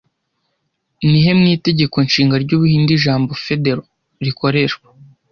Ni he mu Itegeko Nshinga ry'Ubuhinde, ijambo 'Federal' rikoreshwa